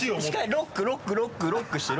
ロックロックロックして。